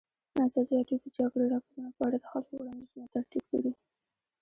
ازادي راډیو د د جګړې راپورونه په اړه د خلکو وړاندیزونه ترتیب کړي.